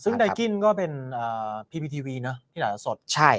ซึ่งไดกินก็เป็นอ่าพีพีทีวีเนอะที่หลายอย่างสดใช่